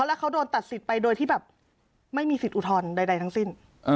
แล้วเขาโดนตัดสิทธิ์ไปโดยที่แบบไม่มีสิทธิอุทธรณ์ใดทั้งสิ้น